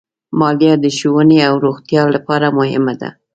مالیه د ښوونې او روغتیا لپاره مهمه ده.